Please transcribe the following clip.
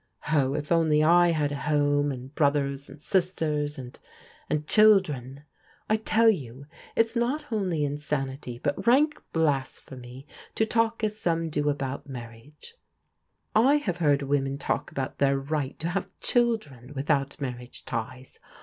" Oh, if I only had a home, and brothers, and sisters, and — and children I I tell you it's not only insanity, but rank blasphemy to talk as some do about marriage. I have heard women talk about their right to have children without marriage ties.